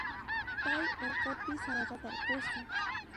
Pay urqupi sarata tarpusqa.